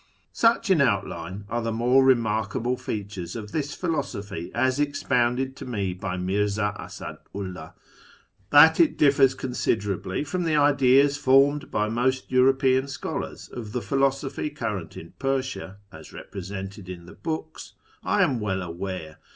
Such, in outline, are the more remarkable features of this philosophy as expounded to me by Mirza Asadu '11; ih. That it differs considerably from the ideas formed by most European MYSTICISM, METAPHYSIC, AND MAGIC 143 scholars of the philosophy current in Persia, as represented in the books, I am well aware.